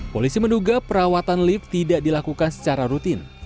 polisi menduga perawatan lift tidak dilakukan secara rutin